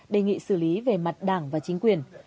đề nghị xử lý về mặt đảng và chính quyền